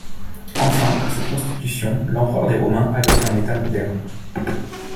Enfin, par cette constitution, l’Empereur des Romains adopte un État moderne.